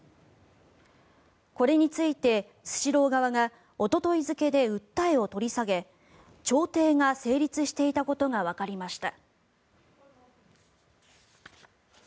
これについてスシロー側がおととい付で訴えを取り下げ調停が成立していたことがわかりました。